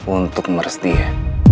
untuk mers dia